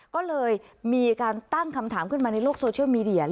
ก็เลยมีการตั้งคำถามขึ้นมาในโลกโซเชียลมีเดีย